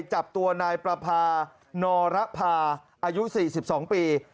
จับตัวนายประพานอรภาอายุ๔๒ปี